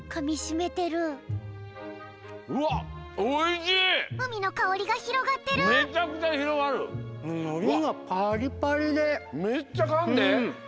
めっちゃかんで！